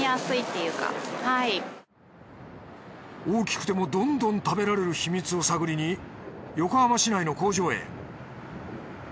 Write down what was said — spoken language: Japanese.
大きくてもどんどん食べられる秘密を探りに横浜市内の工場へ。